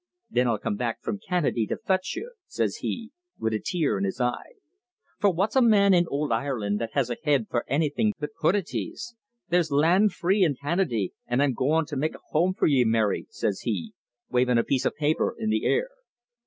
'Then I'll come back from Canaday to futch ye,' says he, wid a tear in his eye. "'For what's a man in ould Ireland that has a head for annything but puttaties! There's land free in Canaday, an' I'm goin' to make a home for ye, Mary,' says he, wavin' a piece of paper in the air.